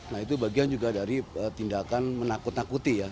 nah itu bagian juga dari tindakan menakut nakuti ya